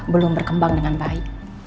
belum berkembang dengan baik